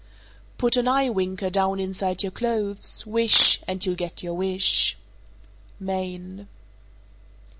_ 440. Put an eyewinker down inside your clothes, wish, and you'll get your wish. _Maine.